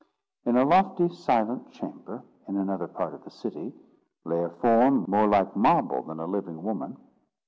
In a lofty, silent chamber, in another part of the city, lay a form more like marble than a living woman.